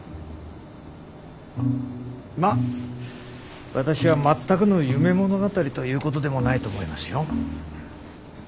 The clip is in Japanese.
まあ私は全くの夢物語ということでもないと思いますよ。